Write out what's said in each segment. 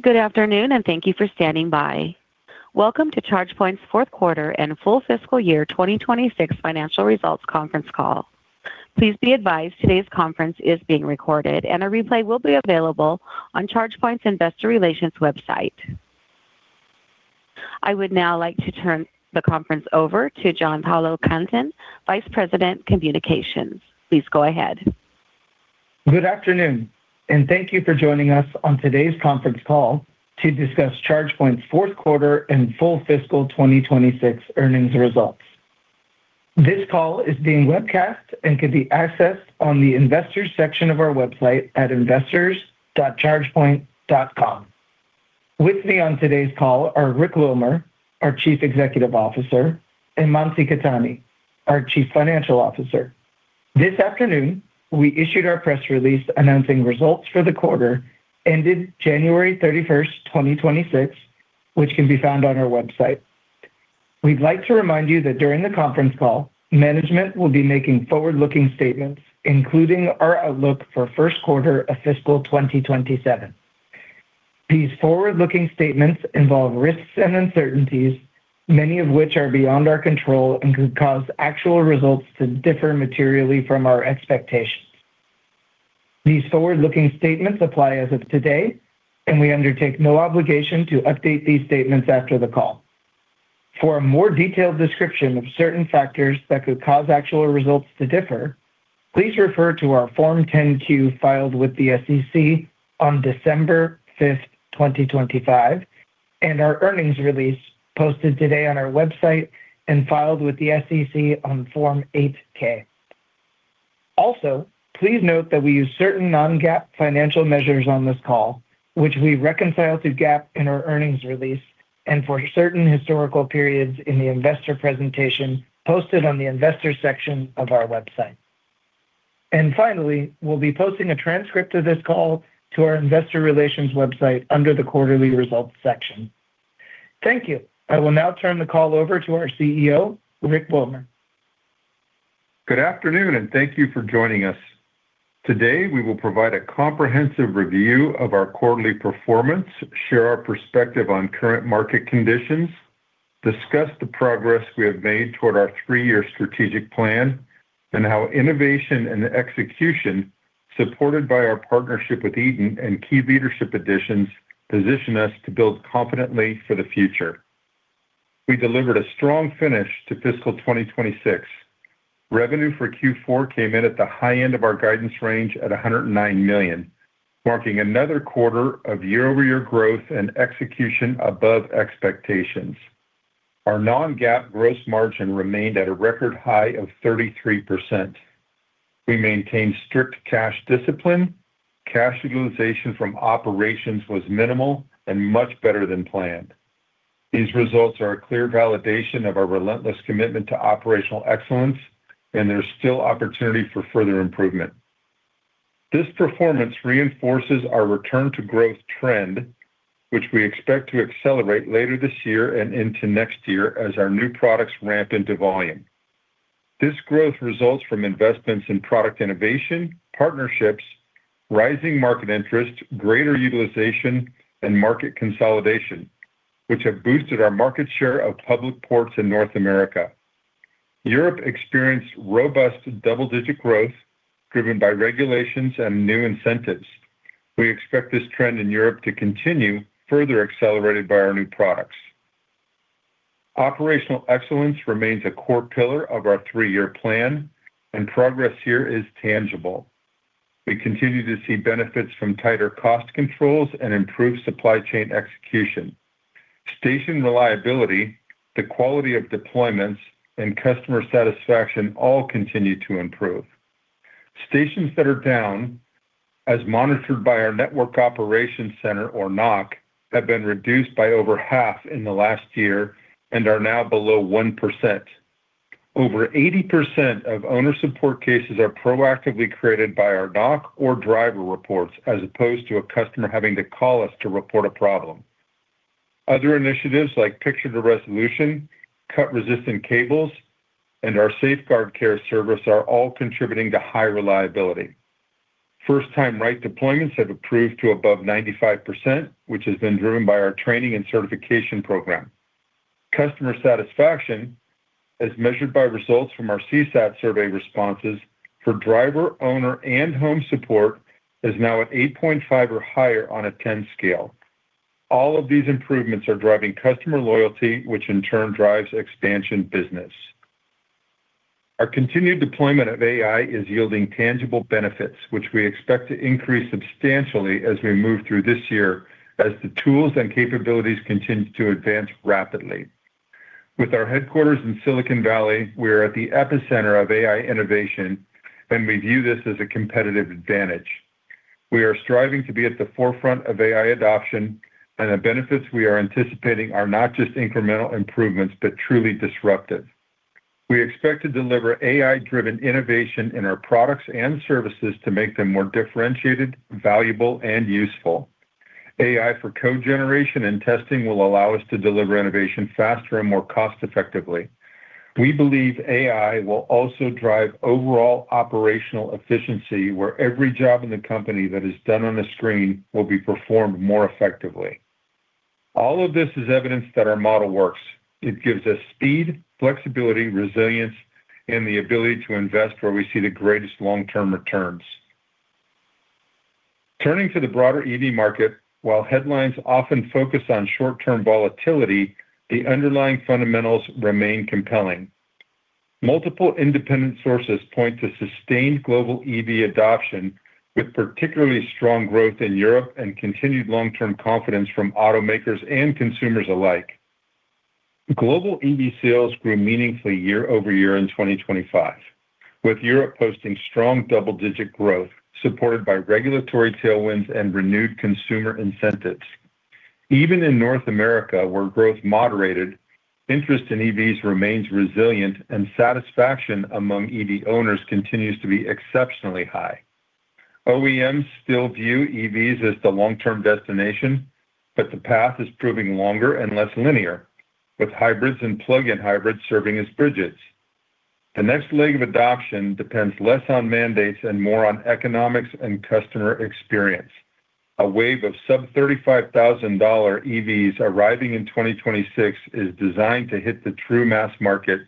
Good afternoon. Thank you for standing by. Welcome to ChargePoint's Fourth Quarter and Full FY 2026 Financial Results Conference Call. Please be advised today's conference is being recorded, and a replay will be available on ChargePoint's investor relations website. I would now like to turn the conference over to John Paolo Canton, Vice President, Communications. Please go ahead. Good afternoon. Thank you for joining us on today's conference call to discuss ChargePoint's Fourth Quarter and Full FY 2026 Earnings Results. This call is being webcast and can be accessed on the Investor Section of our website at investors.chargepoint.com. With me on today's call are Rick Wilmer, our Chief Executive Officer, and Mansi Khetani, our Chief Financial Officer. This afternoon, we issued our press release announcing results for the quarter ended January 31, 2026, which can be found on our website. We'd like to remind you that during the conference call, management will be making forward-looking statements, including our outlook for first quarter of FY 2027. These forward-looking statements involve risks and uncertainties, many of which are beyond our control and could cause actual results to differ materially from our expectations. These forward-looking statements apply as of today. We undertake no obligation to update these statements after the call. For a more detailed description of certain factors that could cause actual results to differ, please refer to our Form 10-Q filed with the SEC on December 5th, 2025, and our earnings release posted today on our website and filed with the SEC on Form 8-K. Please note that we use certain non-GAAP financial measures on this call, which we reconcile to GAAP in our earnings release and for certain historical periods in the investor presentation posted on the investor section of our website. Finally, we'll be posting a transcript of this call to our investor relations website under the Quarterly Results section. Thank you. I will now turn the call over to our CEO, Rick Wilmer. Good afternoon. Thank you for joining us. Today, we will provide a comprehensive review of our quarterly performance, share our perspective on current market conditions, discuss the progress we have made toward our three-year strategic plan, and how innovation and execution, supported by our partnership with Eaton and key leadership additions, position us to build confidently for the future. We delivered a strong finish to fiscal 2026. Revenue for Q4 came in at the high end of our guidance range at $109 million, marking another quarter of year-over-year growth and execution above expectations. Our non-GAAP gross margin remained at a record high of 33%. We maintained strict cash discipline. Cash utilization from operations was minimal and much better than planned. These results are a clear validation of our relentless commitment to operational excellence, and there's still opportunity for further improvement. This performance reinforces our return to growth trend, which we expect to accelerate later this year and into next year as our new products ramp into volume. This growth results from investments in product innovation, partnerships, rising market interest, greater utilization, and market consolidation, which have boosted our market share of public ports in North America. Europe experienced robust double-digit growth driven by regulations and new incentives. We expect this trend in Europe to continue, further accelerated by our new products. Operational excellence remains a core pillar of our three-year plan, and progress here is tangible. We continue to see benefits from tighter cost controls and improved supply chain execution. Station reliability, the quality of deployments, and customer satisfaction all continue to improve. Stations that are down, as monitored by our network operations center or NOC, have been reduced by over half in the last year and are now below 1%. Over 80% of owner support cases are proactively created by our NOC or driver reports as opposed to a customer having to call us to report a problem. Other initiatives like Picture to Resolution, cut-resistant cables, and our Safeguard Care service are all contributing to high reliability. First-time right deployments have improved to above 95%, which has been driven by our training and certification program. Customer satisfaction, as measured by results from our CSAT survey responses for driver, owner, and home support, is now at 8.5 or higher on a 10 scale. All of these improvements are driving customer loyalty, which in turn drives expansion business. Our continued deployment of AI is yielding tangible benefits, which we expect to increase substantially as we move through this year as the tools and capabilities continue to advance rapidly. With our headquarters in Silicon Valley, we are at the epicenter of AI innovation, and we view this as a competitive advantage. We are striving to be at the forefront of AI adoption, and the benefits we are anticipating are not just incremental improvements but truly disruptive. We expect to deliver AI-driven innovation in our products and services to make them more differentiated, valuable, and useful. AI for code generation and testing will allow us to deliver innovation faster and more cost-effectively. We believe AI will also drive overall operational efficiency, where every job in the company that is done on a screen will be performed more effectively. All of this is evidence that our model works. It gives us speed, flexibility, resilience, and the ability to invest where we see the greatest long-term returns. Turning to the broader EV market, while headlines often focus on short-term volatility, the underlying fundamentals remain compelling. Multiple independent sources point to sustained global EV adoption, with particularly strong growth in Europe and continued long-term confidence from automakers and consumers alike. Global EV sales grew meaningfully year-over-year in 2025, with Europe posting strong double-digit growth, supported by regulatory tailwinds and renewed consumer incentives. Even in North America, where growth moderated, interest in EVs remains resilient, and satisfaction among EV owners continues to be exceptionally high. OEMs still view EVs as the long-term destination, but the path is proving longer and less linear, with hybrids and plug-in hybrids serving as bridges. The next leg of adoption depends less on mandates and more on economics and customer experience. A wave of sub-$35,000 EVs arriving in 2026 is designed to hit the true mass market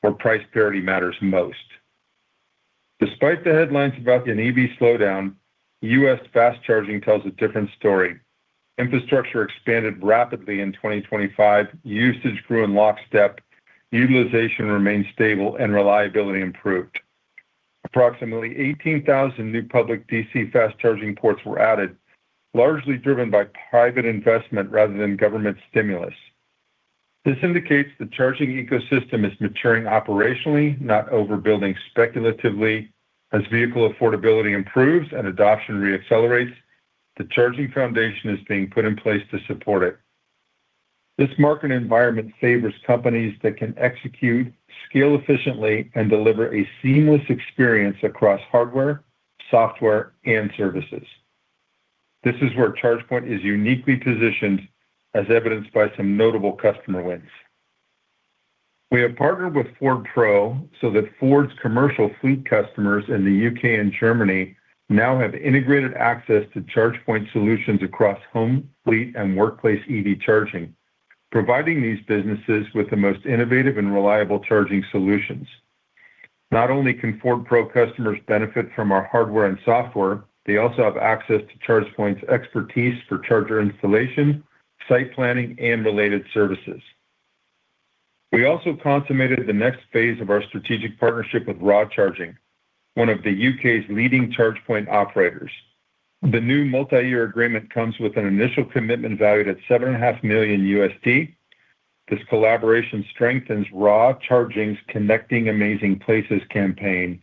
where price parity matters most. Despite the headlines about an EV slowdown, U.S. fast charging tells a different story. Infrastructure expanded rapidly in 2025, usage grew in lockstep, utilization remained stable, and reliability improved. Approximately 18,000 new public DC fast charging ports were added, largely driven by private investment rather than government stimulus. This indicates the charging ecosystem is maturing operationally, not overbuilding speculatively. As vehicle affordability improves and adoption re-accelerates, the charging foundation is being put in place to support it. This market environment favors companies that can execute, scale efficiently, and deliver a seamless experience across hardware, software, and services. This is where ChargePoint is uniquely positioned, as evidenced by some notable customer wins. We have partnered with Ford Pro so that Ford's commercial fleet customers in the U.K. and Germany now have integrated access to ChargePoint solutions across home, fleet, and workplace EV charging, providing these businesses with the most innovative and reliable charging solutions. Not only can Ford Pro customers benefit from our hardware and software, they also have access to ChargePoint's expertise for charger installation, site planning, and related services. We also consummated the next phase of our strategic partnership with RAW Charging, one of the U.K.'s leading ChargePoint operators. The new multi-year agreement comes with an initial commitment valued at seven and a half million USD. This collaboration strengthens RAW Charging's Connecting Amazing Places campaign,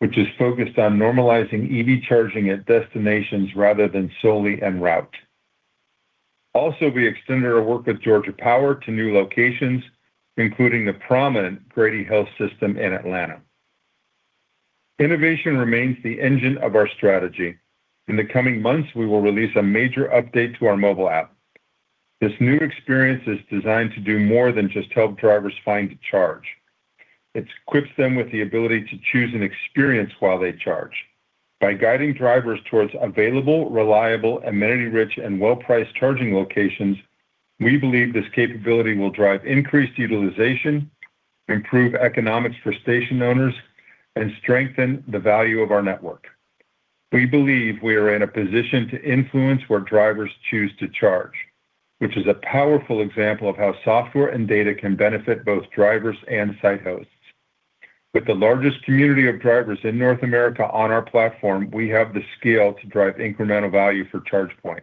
which is focused on normalizing EV charging at destinations rather than solely en route. We extended our work with Georgia Power to new locations, including the prominent Grady Health System in Atlanta. Innovation remains the engine of our strategy. In the coming months, we will release a major update to our mobile app. This new experience is designed to do more than just help drivers find a charge. It equips them with the ability to choose an experience while they charge. By guiding drivers towards available, reliable, amenity-rich, and well-priced charging locations, we believe this capability will drive increased utilization, improve economics for station owners, and strengthen the value of our network. We believe we are in a position to influence where drivers choose to charge, which is a powerful example of how software and data can benefit both drivers and site hosts. With the largest community of drivers in North America on our platform, we have the scale to drive incremental value for ChargePoint.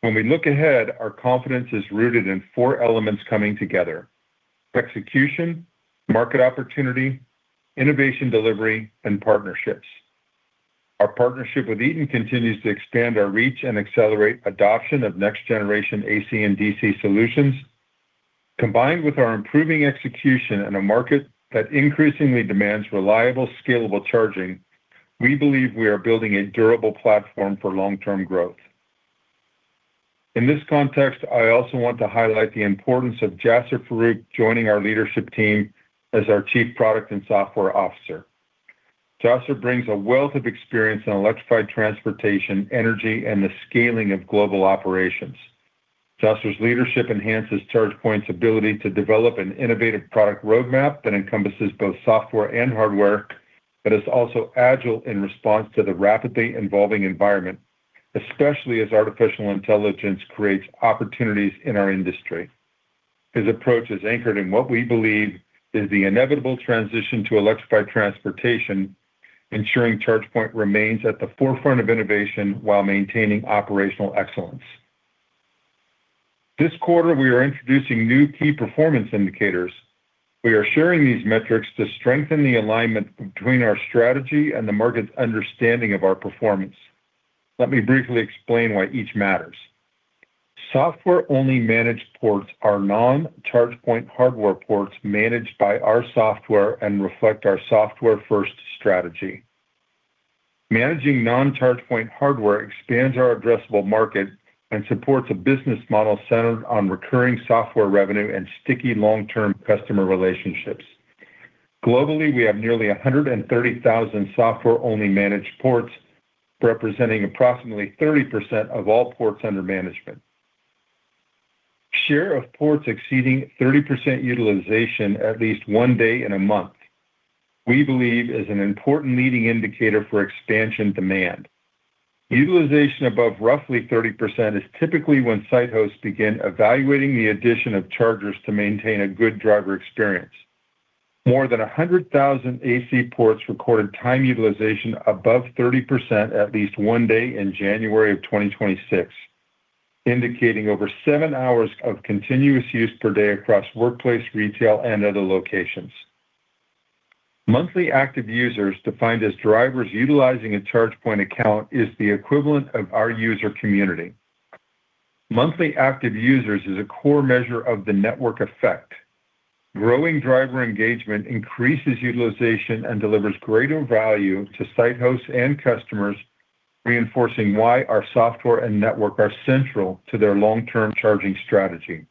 When we look ahead, our confidence is rooted in four elements coming together, execution, market opportunity, innovation delivery, and partnerships. Our partnership with Eaton continues to expand our reach and accelerate adoption of next generation AC and DC solutions. Combined with our improving execution in a market that increasingly demands reliable, scalable charging, we believe we are building a durable platform for long-term growth. In this context, I also want to highlight the importance of Jaser Faruq joining our leadership team as our Chief Product and Software Officer. Jasser brings a wealth of experience in electrified transportation, energy, and the scaling of global operations. Jasser's leadership enhances ChargePoint's ability to develop an innovative product roadmap that encompasses both software and hardware, but is also agile in response to the rapidly evolving environment, especially as artificial intelligence creates opportunities in our industry. His approach is anchored in what we believe is the inevitable transition to electrified transportation, ensuring ChargePoint remains at the forefront of innovation while maintaining operational excellence. This quarter, we are introducing new key performance indicators. We are sharing these metrics to strengthen the alignment between our strategy and the market's understanding of our performance. Let me briefly explain why each matters. Software-only managed ports are non-ChargePoint hardware ports managed by our software and reflect our software-first strategy. Managing non-ChargePoint hardware expands our addressable market and supports a business model centered on recurring software revenue and sticky long-term customer relationships. Globally, we have nearly 130,000 software-only managed ports, representing approximately 30% of all ports under management. Share of ports exceeding 30% utilization at least one day in a month, we believe is an important leading indicator for expansion demand. Utilization above roughly 30% is typically when site hosts begin evaluating the addition of chargers to maintain a good driver experience. More than 100,000 AC ports recorded time utilization above 30% at least one day in January 2026, indicating over 7 hours of continuous use per day across workplace, retail, and other locations. Monthly active users, defined as drivers utilizing a ChargePoint account, is the equivalent of our user community. Monthly active users is a core measure of the network effect. Growing driver engagement increases utilization and delivers greater value to site hosts and customers, reinforcing why our software and network are central to their long-term charging strategy.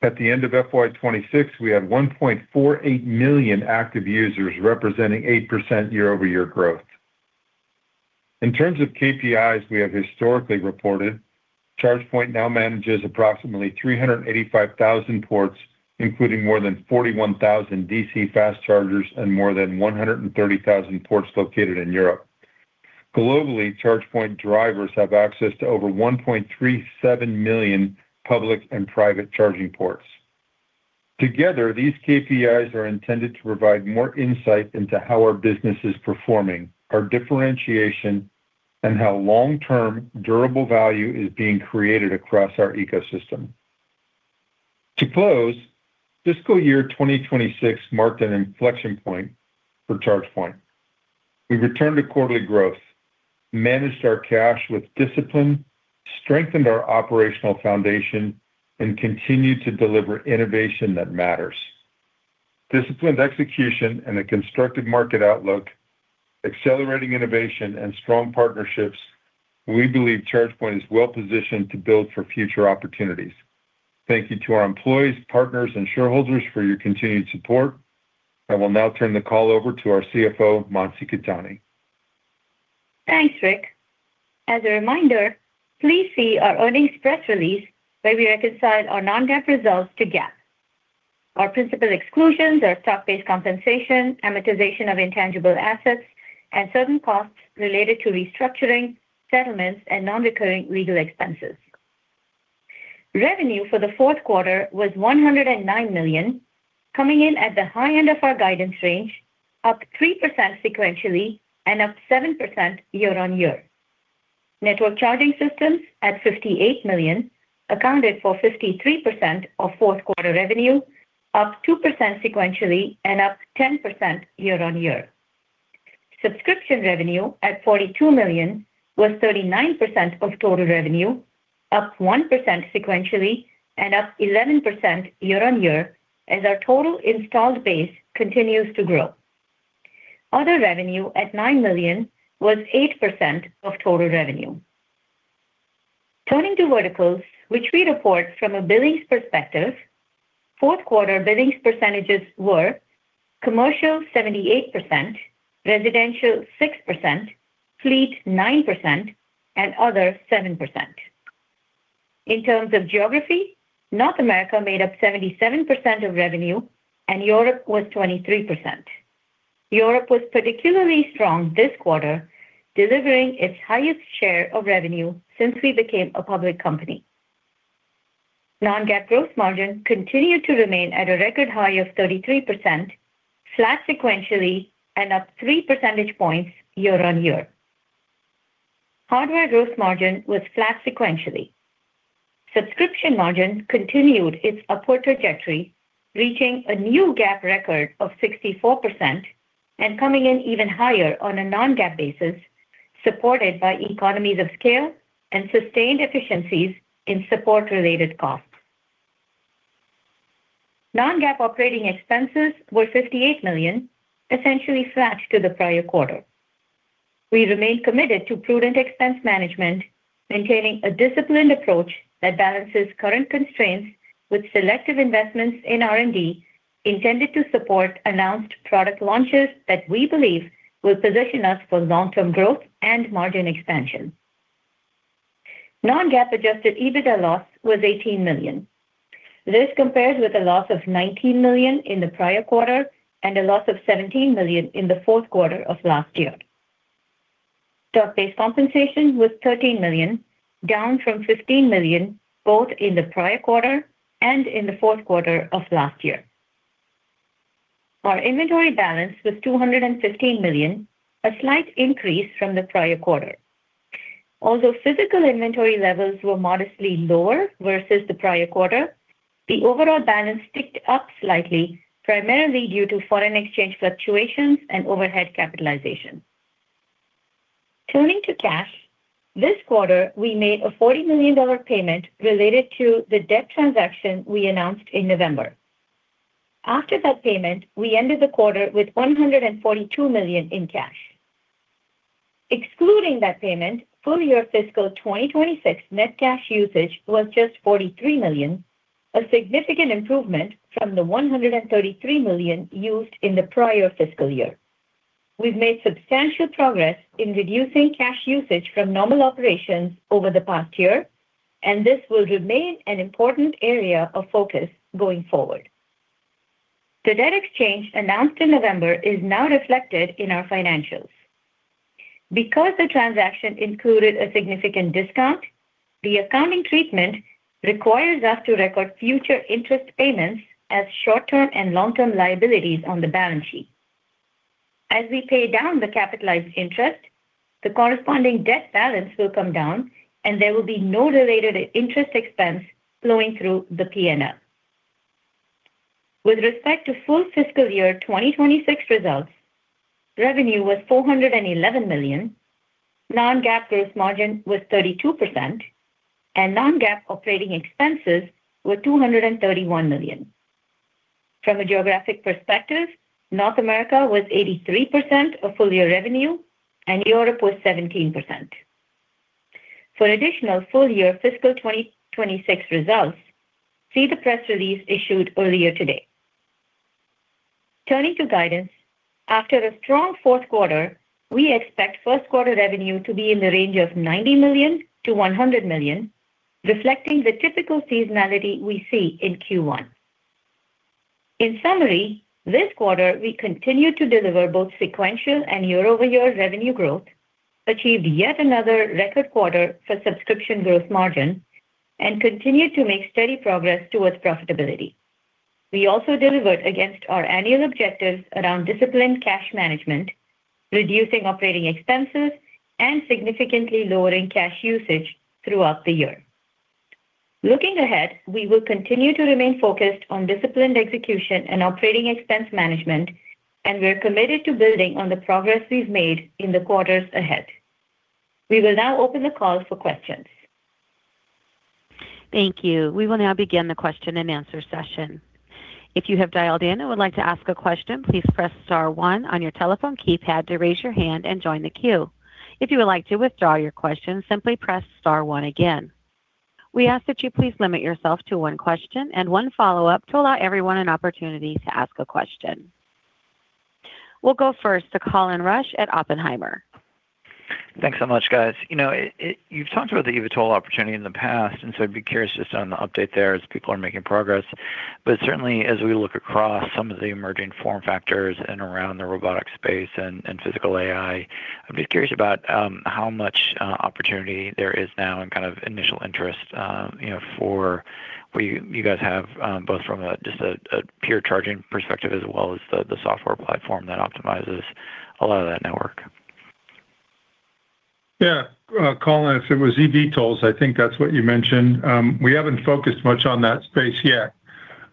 At the end of FY26, we had 1.48 million active users, representing 8% year-over-year growth. In terms of KPIs we have historically reported, ChargePoint now manages approximately 385,000 ports, including more than 41,000 DC fast chargers and more than 130,000 ports located in Europe. Globally, ChargePoint drivers have access to over 1.37 million public and private charging ports. Together, these KPIs are intended to provide more insight into how our business is performing, our differentiation, and how long-term durable value is being created across our ecosystem. To close, fiscal year 2026 marked an inflection point for ChargePoint. We returned to quarterly growth, managed our cash with discipline, strengthened our operational foundation, and continued to deliver innovation that matters. Disciplined execution and a constructive market outlook, accelerating innovation, and strong partnerships, we believe ChargePoint is well positioned to build for future opportunities. Thank you to our employees, partners, and shareholders for your continued support. I will now turn the call over to our CFO, Mansi Khetani. Thanks, Rick. As a reminder, please see our earnings press release, where we reconcile our non-GAAP results to GAAP. Our principal exclusions are stock-based compensation, amortization of intangible assets, and certain costs related to restructuring, settlements, and non-recurring legal expenses. Revenue for the fourth quarter was $109 million, coming in at the high end of our guidance range, up 3% sequentially and up 7% year-on-year. Network charging systems at $58 million accounted for 53% of fourth quarter revenue, up 2% sequentially and up 10% year-on-year. Subscription revenue at $42 million was 39% of total revenue, up 1% sequentially and up 11% year-on-year as our total installed base continues to grow. Other revenue at $9 million was 8% of total revenue. Turning to verticals, which we report from a billings perspective, fourth quarter billings percentages were commercial 78%, residential 6%, fleet 9%, and other 7%. In terms of geography, North America made up 77% of revenue and Europe was 23%. Europe was particularly strong this quarter, delivering its highest share of revenue since we became a public company. Non-GAAP gross margin continued to remain at a record high of 33%, flat sequentially and up 3 percentage points year-over-year. Hardware gross margin was flat sequentially. Subscription margin continued its upward trajectory, reaching a new GAAP record of 64% and coming in even higher on a non-GAAP basis, supported by economies of scale and sustained efficiencies in support-related costs. Non-GAAP operating expenses were $58 million, essentially flat to the prior quarter. We remain committed to prudent expense management, maintaining a disciplined approach that balances current constraints with selective investments in R&D intended to support announced product launches that we believe will position us for long-term growth and margin expansion. Non-GAAP adjusted EBITDA loss was $18 million. This compared with a loss of $19 million in the prior quarter and a loss of $17 million in the fourth quarter of last year. Stock-based compensation was $13 million, down from $15 million, both in the prior quarter and in the fourth quarter of last year. Our inventory balance was $215 million, a slight increase from the prior quarter. Although physical inventory levels were modestly lower versus the prior quarter, the overall balance ticked up slightly, primarily due to foreign exchange fluctuations and overhead capitalization. Turning to cash, this quarter, we made a $40 million payment related to the debt transaction we announced in November. After that payment, we ended the quarter with $142 million in cash. Excluding that payment, full year fiscal 2026 net cash usage was just $43 million, a significant improvement from the $133 million used in the prior fiscal year. We've made substantial progress in reducing cash usage from normal operations over the past year. This will remain an important area of focus going forward. The debt exchange announced in November is now reflected in our financials. Because the transaction included a significant discount, the accounting treatment requires us to record future interest payments as short-term and long-term liabilities on the balance sheet. As we pay down the capitalized interest, the corresponding debt balance will come down, and there will be no related interest expense flowing through the P&L. With respect to full fiscal year 2026 results, revenue was $411 million, non-GAAP gross margin was 32%, and non-GAAP operating expenses were $231 million. From a geographic perspective, North America was 83% of full year revenue and Europe was 17%. For additional full-year fiscal 2026 results, see the press release issued earlier today. Turning to guidance. After a strong fourth quarter, we expect first quarter revenue to be in the range of $90 million-$100 million, reflecting the typical seasonality we see in Q1. In summary, this quarter, we continued to deliver both sequential and year-over-year revenue growth, achieved yet another record quarter for subscription growth margin, and continued to make steady progress towards profitability. We also delivered against our annual objectives around disciplined cash management, reducing operating expenses, and significantly lowering cash usage throughout the year. Looking ahead, we will continue to remain focused on disciplined execution and operating expense management, and we're committed to building on the progress we've made in the quarters ahead. We will now open the call for questions. Thank you. We will now begin the question-and-answer session. If you have dialed in and would like to ask a question, please press star one on your telephone keypad to raise your hand and join the queue. If you would like to withdraw your question, simply press star one again. We ask that you please limit yourself to one question and one follow-up to allow everyone an opportunity to ask a question. We'll go first to Colin Rusch at Oppenheimer. Thanks so much, guys. You know, You've talked about the eVTOL opportunity in the past. I'd be curious just on the update there as people are making progress. Certainly as we look across some of the emerging form factors and around the robotic space and physical AI, I'm just curious about how much opportunity there is now and kind of initial interest, you know, for what you guys have both from a just a pure charging perspective as well as the software platform that optimizes a lot of that network. Yeah. Colin, if it was eVTOLs, I think that's what you mentioned. We haven't focused much on that space yet.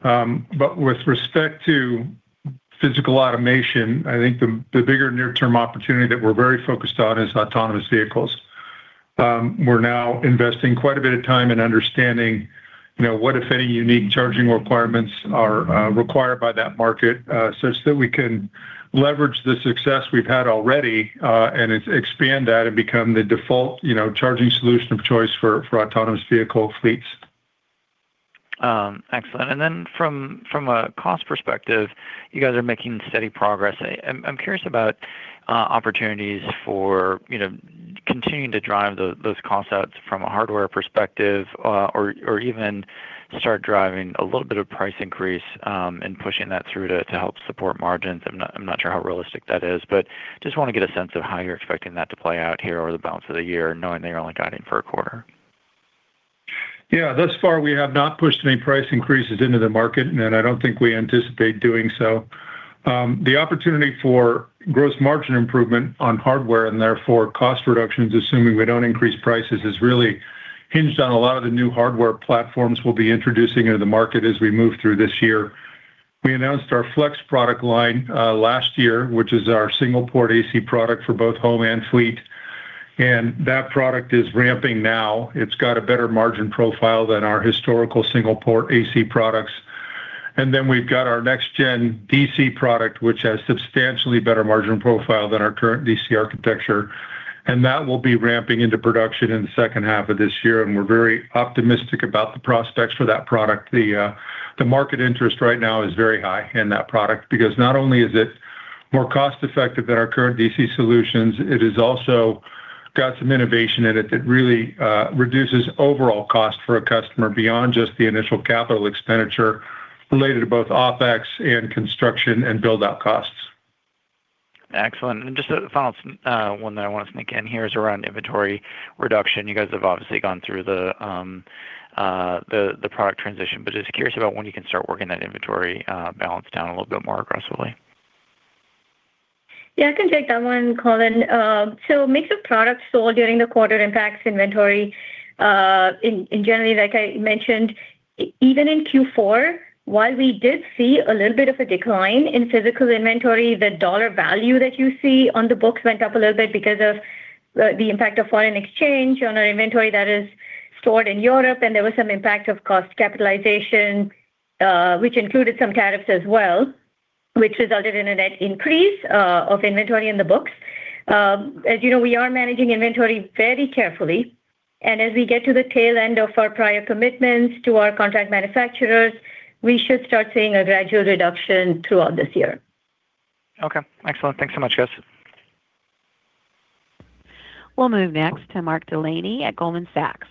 With respect to physical automation, I think the bigger near-term opportunity that we're very focused on is autonomous vehicles. We're now investing quite a bit of time in understanding, you know, what, if any, unique charging requirements are required by that market, such that we can leverage the success we've had already, and expand that and become the default, you know, charging solution of choice for autonomous vehicle fleets. Excellent. From a cost perspective, you guys are making steady progress. I'm curious about opportunities for, you know, continuing to drive those costs out from a hardware perspective, or even start driving a little bit of price increase, and pushing that through to help support margins. I'm not sure how realistic that is, but just wanna get a sense of how you're expecting that to play out here over the balance of the year, knowing that you're only guiding for a quarter. Yeah. Thus far, we have not pushed any price increases into the market, and I don't think we anticipate doing so. The opportunity for gross margin improvement on hardware and therefore cost reductions, assuming we don't increase prices, is really hinged on a lot of the new hardware platforms we'll be introducing into the market as we move through this year. We announced our Flex product line last year, which is our single-port AC product for both home and fleet, and that product is ramping now. It's got a better margin profile than our historical single-port AC products. We've got our next-gen DC product, which has substantially better margin profile than our current DC architecture, and that will be ramping into production in the second half of this year, and we're very optimistic about the prospects for that product. The market interest right now is very high in that product because not only is it more cost-effective than our current DC solutions, it has also got some innovation in it that really reduces overall cost for a customer beyond just the initial capital expenditure related to both OpEx and construction and build-out costs. Excellent. Just a final one that I wanna sneak in here is around inventory reduction. You guys have obviously gone through the product transition, but just curious about when you can start working that inventory balance down a little bit more aggressively. Yeah, I can take that one, Colin. Mix of products sold during the quarter impacts inventory. In generally, like I mentioned, even in Q4, while we did see a little bit of a decline in physical inventory, the $ value that you see on the books went up a little bit because of the impact of foreign exchange on our inventory that is stored in Europe, and there was some impact of cost capitalization, which included some tariffs as well, which resulted in a net increase of inventory in the books. As you know, we are managing inventory very carefully. As we get to the tail end of our prior commitments to our contract manufacturers, we should start seeing a gradual reduction throughout this year. Okay. Excellent. Thanks so much, guys. We'll move next to Mark Delaney at Goldman Sachs.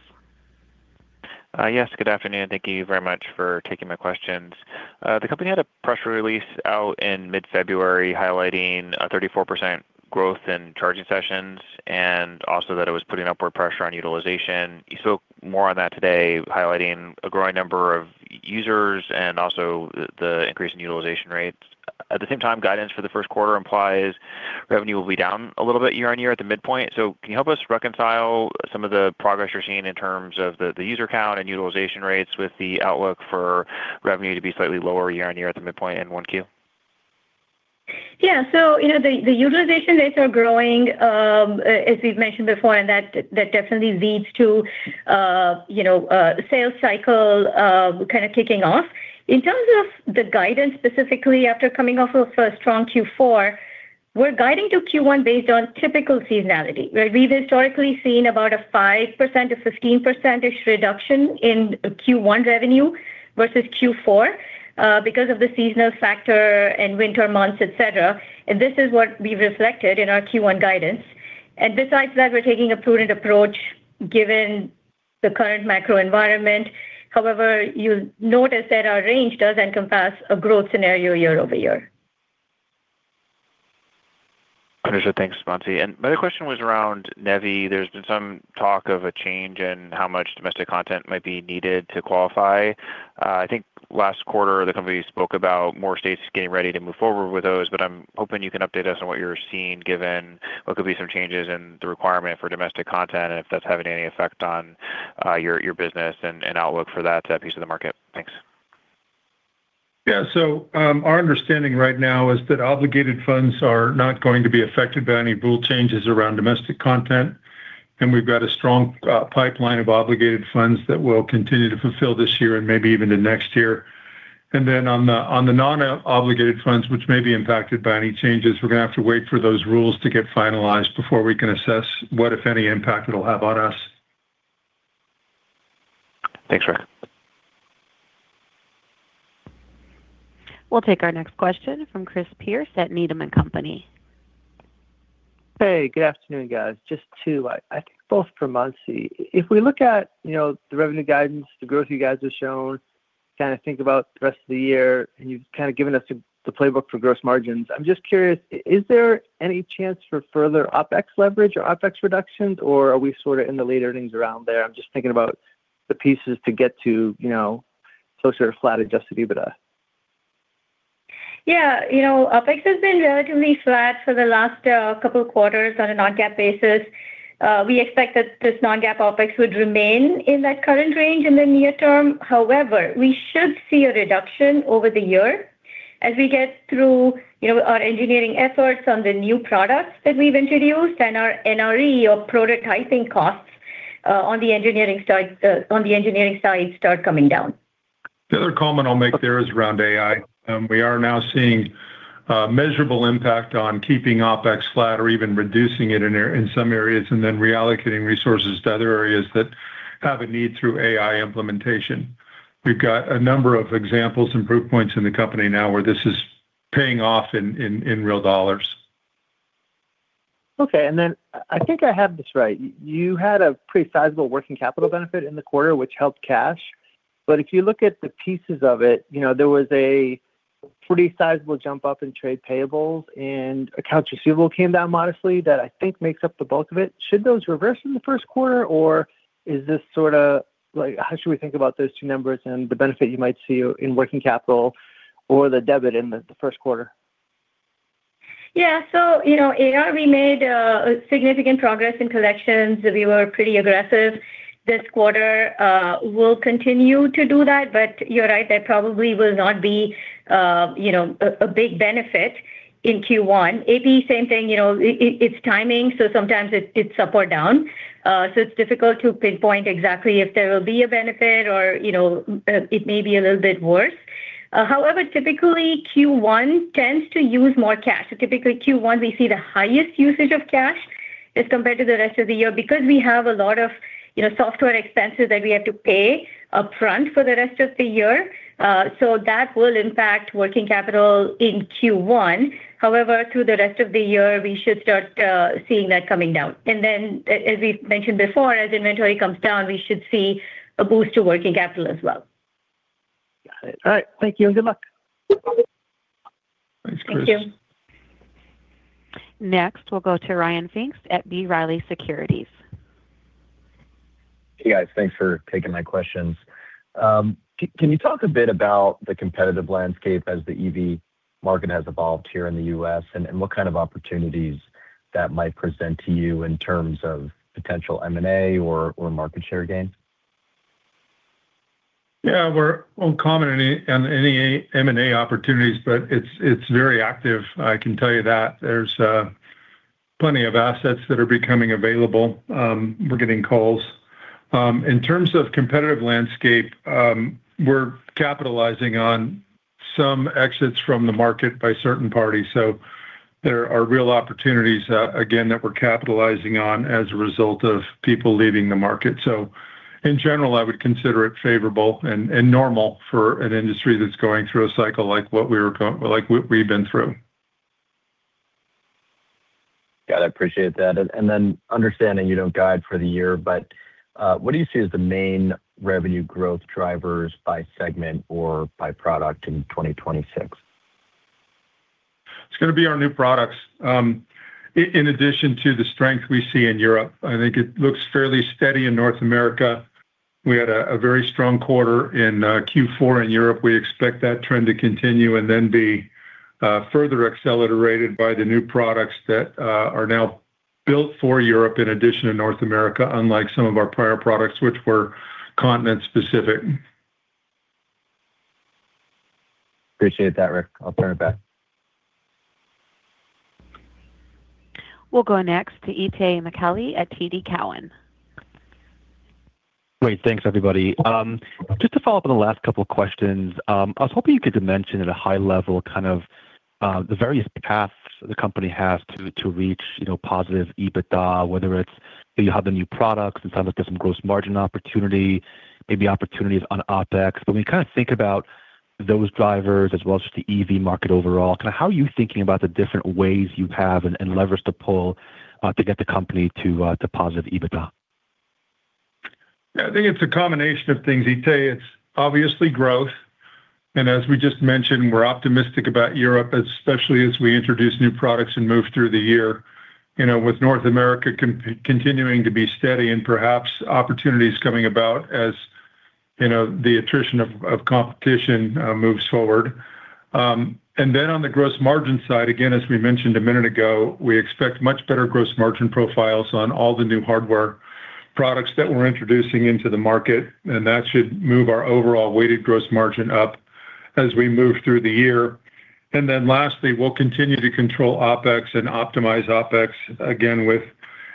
Yes, good afternoon. Thank you very much for taking my questions. The company had a press release out in mid-February highlighting a 34% growth in charging sessions and also that it was putting upward pressure on utilization. You spoke more on that today, highlighting a growing number of users and also the increase in utilization rates. At the same time, guidance for the first quarter implies revenue will be down a little bit year-on-year at the midpoint. Can you help us reconcile some of the progress you're seeing in terms of the user count and utilization rates with the outlook for revenue to be slightly lower year-on-year at the midpoint in 1Q? Yeah, you know, the utilization rates are growing, as we've mentioned before, and that definitely leads to, you know, sales cycle, kinda kicking off. In terms of the guidance, specifically after coming off of a strong Q4, we're guiding to Q1 based on typical seasonality, where we've historically seen about a 5%-15% reduction in Q1 revenue versus Q4, because of the seasonal factor and winter months, et cetera. Besides that, we're taking a prudent approach given the current macro environment. However, you'll notice that our range does encompass a growth scenario year-over-year. Understood. Thanks, Mansi. My other question was around NEVI. There's been some talk of a change in how much domestic content might be needed to qualify. I think last quarter, the company spoke about more states getting ready to move forward with those, but I'm hoping you can update us on what you're seeing given what could be some changes in the requirement for domestic content, and if that's having any effect on your business and outlook for that piece of the market. Thanks. Our understanding right now is that obligated funds are not going to be affected by any rule changes around domestic content. We've got a strong pipeline of obligated funds that we'll continue to fulfill this year and maybe even the next year. On the non-obligated funds, which may be impacted by any changes, we're gonna have to wait for those rules to get finalized before we can assess what, if any, impact it'll have on us. Thanks, Rick. We'll take our next question from Christopher Pierce at Needham & Company. Hey, good afternoon, guys. Just two, I think both for Mansi. If we look at, you know, the revenue guidance, the growth you guys have shown, kind of think about the rest of the year, and you've kind of given us the playbook for gross margins. I'm just curious, is there any chance for further OpEx leverage or OpEx reductions, or are we sort of in the late earnings around there? I'm just thinking about the pieces to get to, you know, closer to flat adjusted EBITDA. You know, OpEx has been relatively flat for the last couple quarters on a non-GAAP basis. We expect that this non-GAAP OpEx would remain in that current range in the near term. We should see a reduction over the year as we get through, you know, our engineering efforts on the new products that we've introduced and our NRE or prototyping costs on the engineering side start coming down. The other comment I'll make there is around AI. We are now seeing measurable impact on keeping OpEx flat or even reducing it in some areas, and then reallocating resources to other areas that have a need through AI implementation. We've got a number of examples and proof points in the company now where this is paying off in real dollars. Okay. I think I have this right. You had a pretty sizable working capital benefit in the quarter, which helped cash. But if you look at the pieces of it, you know, there was a pretty sizable jump up in trade payables, and accounts receivable came down modestly that I think makes up the bulk of it. Should those reverse in the first quarter, or is this sorta... Like, how should we think about those two numbers and the benefit you might see in working capital or the debit in the first quarter? Yeah. You know, AR, we made significant progress in collections. We were pretty aggressive this quarter. We'll continue to do that, but you're right, there probably will not be, you know, a big benefit in Q1. AP, same thing, you know, it's timing, so sometimes it's up or down. It's difficult to pinpoint exactly if there will be a benefit or, you know, it may be a little bit worse. However, typically, Q1 tends to use more cash. Typically Q1, we see the highest usage of cash as compared to the rest of the year because we have a lot of, you know, software expenses that we have to pay upfront for the rest of the year. That will impact working capital in Q1. However, through the rest of the year, we should start seeing that coming down. As we mentioned before, as inventory comes down, we should see a boost to working capital as well. Got it. All right. Thank you, and good luck. Thanks, Chris. Thank you. Next, we'll go to Ryan Pfingst at B. Riley Securities. Hey, guys. Thanks for taking my questions. Can you talk a bit about the competitive landscape as the EV market has evolved here in the U.S. and what kind of opportunities that might present to you in terms of potential M&A or market share gain? Yeah, we're won't comment on any, on any M&A opportunities, but it's very active, I can tell you that. There's plenty of assets that are becoming available. We're getting calls. In terms of competitive landscape, we're capitalizing on some exits from the market by certain parties. There are real opportunities, again, that we're capitalizing on as a result of people leaving the market. In general, I would consider it favorable and normal for an industry that's going through a cycle like what we've been through. Got it. I appreciate that. Understanding you don't guide for the year, but what do you see as the main revenue growth drivers by segment or by product in 2026? It's going to be our new products. In addition to the strength we see in Europe, I think it looks fairly steady in North America. We had a very strong quarter in Q4 in Europe. We expect that trend to continue and then be further accelerated by the new products that are now built for Europe in addition to North America, unlike some of our prior products which were continent specific. Appreciate that, Rick. I'll turn it back. We'll go next to Itay Michaeli at TD Cowen. Great. Thanks, everybody. just to follow up on the last couple of questions. I was hoping you could mention at a high level kind of, the various paths the company has to reach, you know, positive EBITDA, whether it's how the new products in terms of different gross margin opportunity, maybe opportunities on OpEx. When you kind of think about those drivers as well as just the EV market overall, kinda how are you thinking about the different ways you have and levers to pull, to get the company to positive EBITDA? Yeah, I think it's a combination of things, Itay. It's obviously growth, and as we just mentioned, we're optimistic about Europe, especially as we introduce new products and move through the year. You know, with North America continuing to be steady and perhaps opportunities coming about as, you know, the attrition of competition moves forward. On the gross margin side, again, as we mentioned a minute ago, we expect much better gross margin profiles on all the new hardware products that we're introducing into the market, and that should move our overall weighted gross margin up as we move through the year. Lastly, we'll continue to control OpEx and optimize OpEx, again, with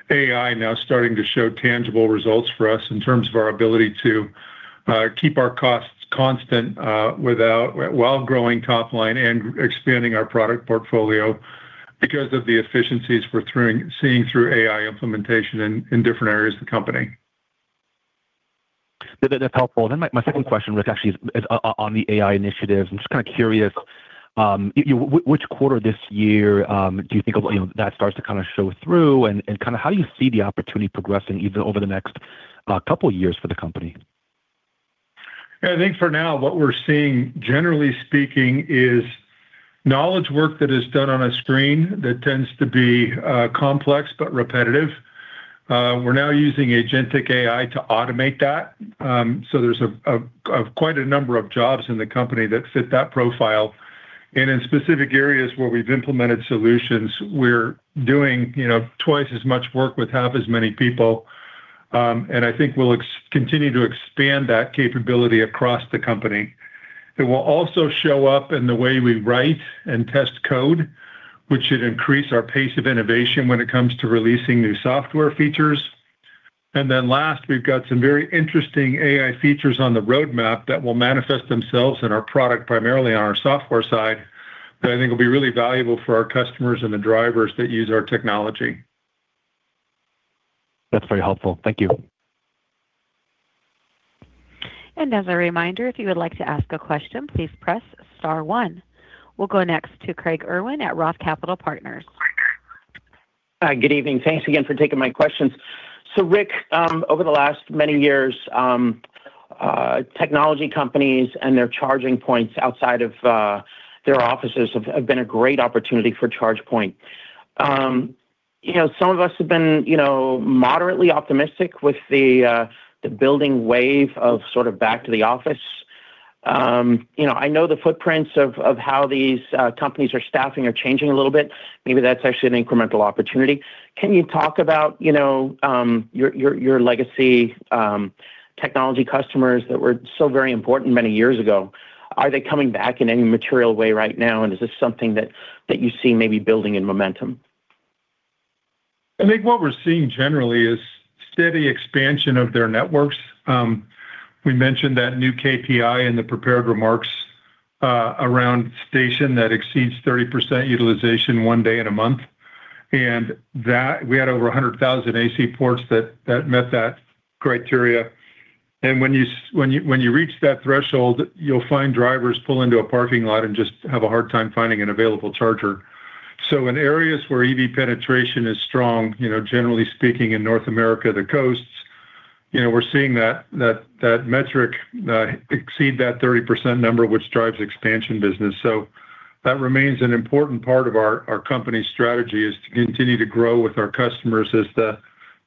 AI now starting to show tangible results for us in terms of our ability to keep our costs constant without... While growing top line and expanding our product portfolio because of the efficiencies we're seeing through AI implementation in different areas of the company. That's helpful. My second question, Rick, actually is on the AI initiatives. I'm just kinda curious, which quarter this year, do you think, you know, that starts to kinda show through, and kinda how do you see the opportunity progressing over the next couple of years for the company? I think for now, what we're seeing, generally speaking, is knowledge work that is done on a screen that tends to be complex but repetitive. We're now using agentic AI to automate that. There's a quite a number of jobs in the company that fit that profile. In specific areas where we've implemented solutions, we're doing, you know, twice as much work with half as many people. I think we'll continue to expand that capability across the company. It will also show up in the way we write and test code, which should increase our pace of innovation when it comes to releasing new software features. Last, we've got some very interesting AI features on the roadmap that will manifest themselves in our product, primarily on our software side, that I think will be really valuable for our customers and the drivers that use our technology. That's very helpful. Thank you. As a reminder, if you would like to ask a question, please press star 1. We'll go next to Craig Irwin at Roth Capital Partners. Hi. Good evening. Thanks again for taking my questions. Rick, over the last many years, technology companies and their charging points outside of their offices have been a great opportunity for ChargePoint. You know, some of us have been, you know, moderately optimistic with the building wave of sort of back to the office. You know, I know the footprints of how these companies are staffing are changing a little bit. Maybe that's actually an incremental opportunity. Can you talk about, you know, your legacy technology customers that were so very important many years ago? Are they coming back in any material way right now? Is this something that you see maybe building in momentum? I think what we're seeing generally is steady expansion of their networks. We mentioned that new KPI in the prepared remarks, around station that exceeds 30% utilization one day in a month. That we had over 100,000 AC ports that met that criteria. When you reach that threshold, you'll find drivers pull into a parking lot and just have a hard time finding an available charger. In areas where EV penetration is strong, you know, generally speaking, in North America, the coasts, you know, we're seeing that metric, exceed that 30% number which drives expansion business. That remains an important part of our company's strategy is to continue to grow with our customers as the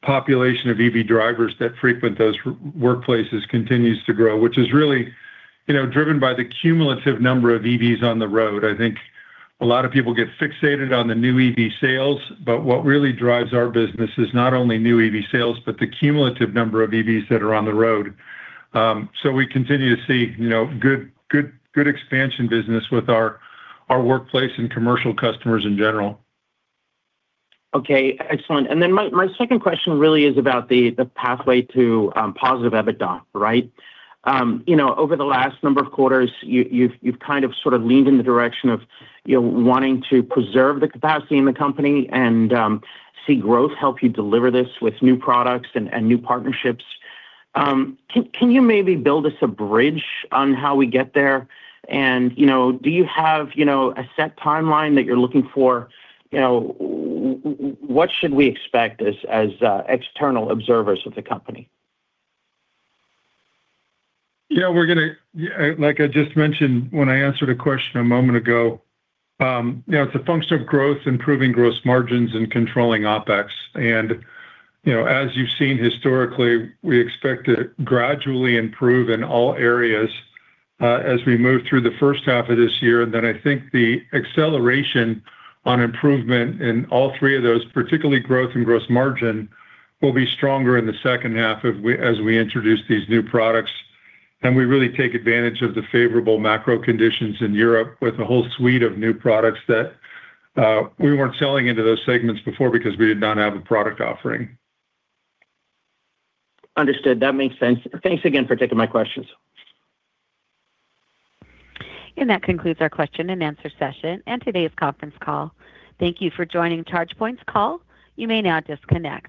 population of EV drivers that frequent those workplaces continues to grow, which is really, you know, driven by the cumulative number of EVs on the road. I think a lot of people get fixated on the new EV sales, but what really drives our business is not only new EV sales, but the cumulative number of EVs that are on the road. We continue to see, you know, good expansion business with our workplace and commercial customers in general. Okay, excellent. My second question really is about the pathway to positive EBITDA, right? You know, over the last number of quarters, you've kind of sort of leaned in the direction of, you know, wanting to preserve the capacity in the company and see growth help you deliver this with new products and new partnerships. Can you maybe build us a bridge on how we get there? You know, do you have, you know, a set timeline that you're looking for? You know, what should we expect as external observers of the company? Yeah, like I just mentioned when I answered a question a moment ago, you know, it's a function of growth, improving gross margins and controlling OpEx. You know, as you've seen historically, we expect to gradually improve in all areas, as we move through the first half of this year. Then I think the acceleration on improvement in all three of those, particularly growth and gross margin, will be stronger in the second half as we introduce these new products. We really take advantage of the favorable macro conditions in Europe with a whole suite of new products that, we weren't selling into those segments before because we did not have a product offering. Understood. That makes sense. Thanks again for taking my questions. That concludes our question and answer session and today's conference call. Thank you for joining ChargePoint's call. You may now disconnect.